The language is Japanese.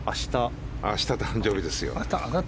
明日、誕生日ですよ。